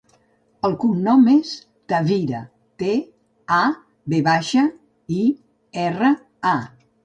El cognom és Tavira: te, a, ve baixa, i, erra, a.